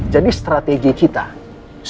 jadi saya akan menang